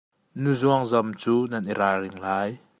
Nuzuangzam cu nan i ralring lai.